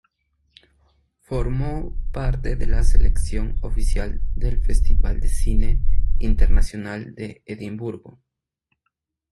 Formó parte de la selección oficial del Festival de Cine Internacional de Edimburgo.